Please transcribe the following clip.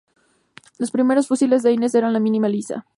Los primeros fusiles Dreyse eran de ánima lisa.